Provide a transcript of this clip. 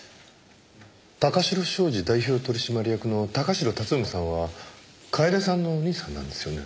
貴城商事代表取締役の貴城辰臣さんは楓さんのお兄さんなんですよね？